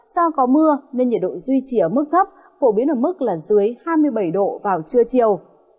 do có mưa nên nhiệt độ duy trì ở mức thấp phổ biến ở mức là dưới hai mươi bảy độ vào trưa chiều